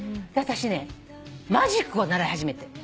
私ねマジックを習い始めて。